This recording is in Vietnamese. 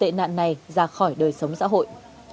và bài trừ tệ nạn này ra khỏi đời sống xã hội